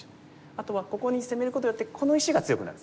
あとはここに攻めることによってこの石が強くなるんですね。